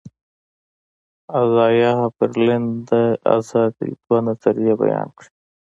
ازایا برلین د آزادي دوه نظریې بیان کړې.